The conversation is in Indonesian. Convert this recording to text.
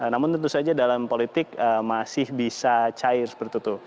namun tentu saja dalam politik masih bisa cair seperti itu